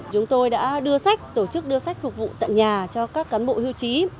chúng tôi đã đưa sách tổ chức đưa sách phục vụ tận nhà cho các cán bộ hưu trí